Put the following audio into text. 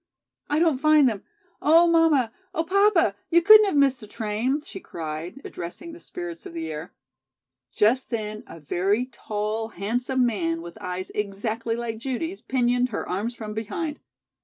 "I don't find them. Oh, mamma! Oh, papa! You couldn't have missed the train!" she cried, addressing the spirits of the air. Just then a very tall, handsome man with eyes exactly like Judy's pinioned her arms from behind.